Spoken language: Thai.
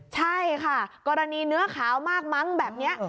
ใช่ค่ะกรณีเนื้อขาวมากมั้งแบบนี้